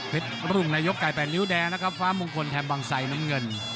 เป็นรุ่นนายกไก่แปดริ้วแดงนะครับฟ้ามุงคนแถมบางชายน้ำเงิน